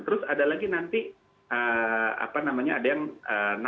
terus ada lagi nanti apa namanya ada yang namanya